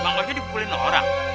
mang ojo dipukulin orang